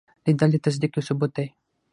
لیدل د تصدیق یو ثبوت دی